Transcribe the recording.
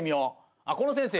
あっこの先生や。